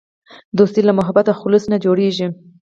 دوستي له محبت او خلوص نه جوړیږي.